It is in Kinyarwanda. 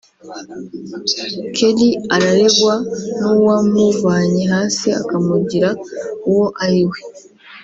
Kelly araregwa n’uwamuvanye hasi akamugira uwo ari we